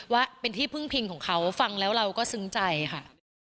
ว่าเป็นที่พึ่งพิงของเขาฟังแล้วเราก็ซึ้งใจค่ะ